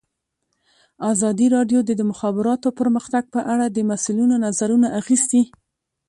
ازادي راډیو د د مخابراتو پرمختګ په اړه د مسؤلینو نظرونه اخیستي.